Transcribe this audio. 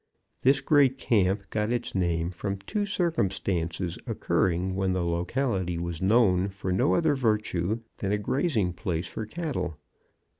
This great camp got its name from two circumstances occurring when the locality was known for no other virtue than a grazing place for cattle.